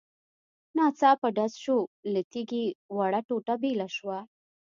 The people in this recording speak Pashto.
. ناڅاپه ډز شو، له تيږې وړه ټوټه بېله شوه.